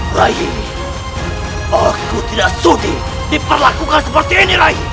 rayi aku tidak sudi diperlakukan seperti ini rayi